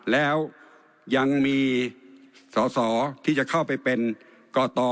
แล้วยังมีสอสอที่จะเข้าไปเป็นกต